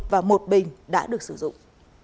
và một bình đã được sử dụng